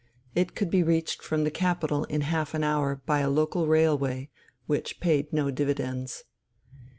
It could be reached from the capital in half an hour by a local railway which paid no dividends.